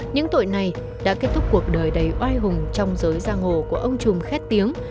những tội này đã kết thúc cuộc đời đầy oai hùng trong giới giang hồ của ông trùng khét tiếng